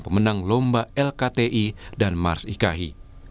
pemenang lomba lkti dan mars ikai